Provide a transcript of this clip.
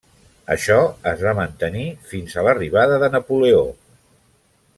Això es va mantenir fins a l'arribada de Napoleó.